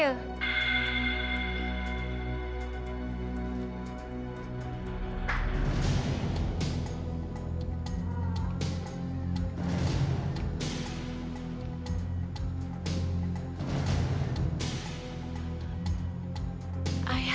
apakah anda membaikinya karena itu tidak diilhamkan